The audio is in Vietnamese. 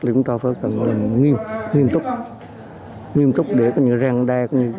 chúng ta phải cần nghiêm túc nghiêm túc để có như ràng đai